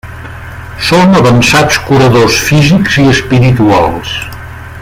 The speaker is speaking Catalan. Són avançats curadors físics i espirituals.